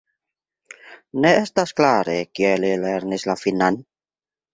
Ne estas klare, kie li lernis la finnan.